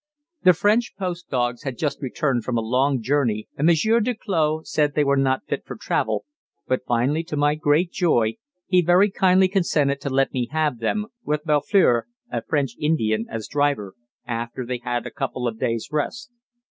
The French post dogs had just returned from a long journey, and Monsieur Duclos said they were not fit for travel, but finally, to my great joy, he very kindly consented to let me have them, with Belfleur, a French Indian, as driver, after they had a couple of days' rest.